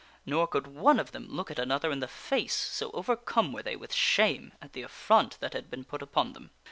Nor could one of them look at another in the face, so overcome were they with shame at the affront that had been put upon them.